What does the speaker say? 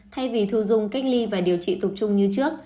thay vì thu dung cách ly và điều trị tục chung như trước